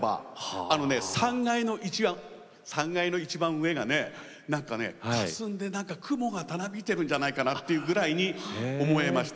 あのね３階の一番上がねなんかねかすんで雲がたなびいてるんじゃないかなっていうぐらいに思えました。